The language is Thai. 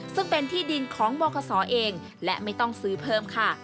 ซึ่งเป็นที่ดินของบคศเองและไม่ต้องซื้อเพิ่มค่ะ